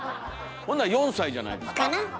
ほんなら４歳じゃないですか？